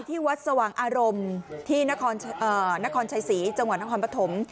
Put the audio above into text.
ที่วัดสว่างอารมณ์ที่นครชัยศรีจังหวัดนครปฐม